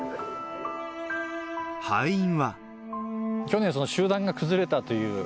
敗因は。